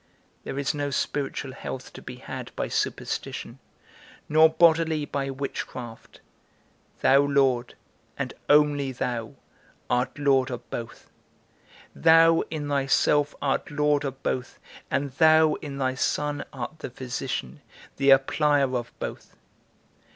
There is no spiritual health to be had by superstition, nor bodily by witchcraft; thou, Lord, and only thou, art Lord of both. Thou in thyself art Lord of both, and thou in thy Son art the physician, the applier of both.